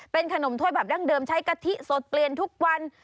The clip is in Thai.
เป็นขนมถ้วยแบบดั้งเดิมใช้กะทิสดเปลี่ยนทุกวัน